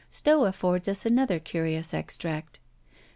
Stowe affords us another curious extract.